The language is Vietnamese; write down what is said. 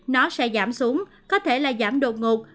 nó sẽ giảm xuống có thể là giảm đột ngột